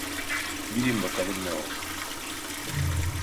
Bilin bakalım ne oldu?